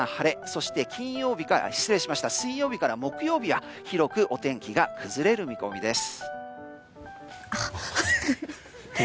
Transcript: そして水曜日から木曜日は広くお天気が崩れる見込みです。